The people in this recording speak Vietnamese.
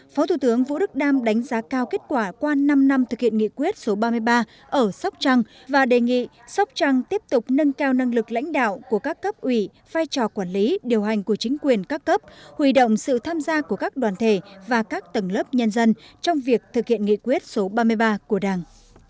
phó thủ tướng vũ đức đam đánh giá cao kết quả qua năm năm thực hiện nghị quyết số ba mươi ba ở sóc trăng và đề nghị sóc trăng tiếp tục nâng cao năng lực lãnh đạo của các cấp ủy vai trò quản lý điều hành của chính quyền các cấp hủy động sự tham gia của các đoàn thể và các tầng lớp nhân dân trong việc thực hiện nghị quyết số ba mươi ba của đảng